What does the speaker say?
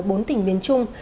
ở bốn tỉnh miền trung